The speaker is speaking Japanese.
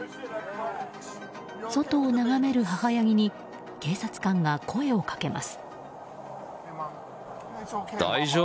外を眺める母ヤギに警察官が声をかけます。